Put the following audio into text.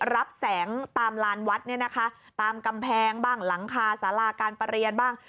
รับแสงตามลานวัดเนี่ยนะคะตามกำแพงบ้างหลังคาสาราการประเรียนบ้าง